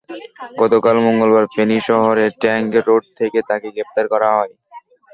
গতকাল মঙ্গলবার ফেনী শহরের ট্রাংক রোড থেকে তাঁকে গ্রেপ্তার করা হয়।